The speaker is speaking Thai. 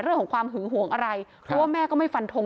เรื่องของความหึงหวงอะไรเพราะว่าแม่ก็ไม่ฟันทง